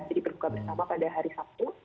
jadi berbuka bersama pada hari sabtu